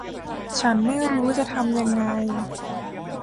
ฉันไม่รู้จะทำยังไง